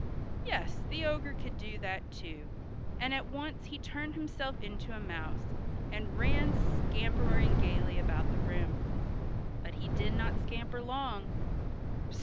Yes, the ogre could do that, too, and at once he turned himself into a mouse, and ran, scampering gayly about the room. But he did not scamper long.